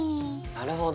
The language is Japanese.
なるほど。